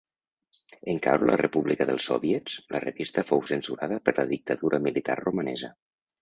En caure la república dels sòviets, la revista fou censurada per la dictadura militar romanesa.